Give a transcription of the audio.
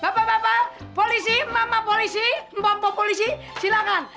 bapak bapak polisi mama polisi mpok mpok polisi silakan